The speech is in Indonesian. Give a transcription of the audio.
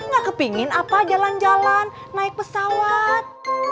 nggak kepingin apa jalan jalan naik pesawat